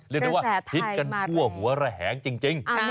เรียกได้ว่าพิษกันทั่วหัวระแหงจริง